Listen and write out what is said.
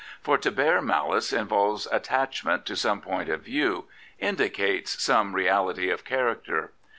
For to bear malice involves attachment to some point of view, indicates some reality of character.